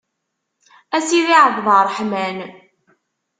A Sidi Ɛebderreḥman.